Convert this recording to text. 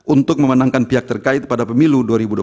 untuk memenangkan pihak terkait pada pemilu dua ribu dua puluh